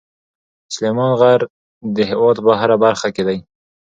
سلیمان غر د هېواد په هره برخه کې دی.